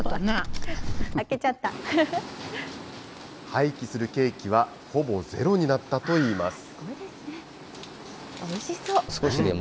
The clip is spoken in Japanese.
廃棄するケーキは、ほぼゼロになったといいます。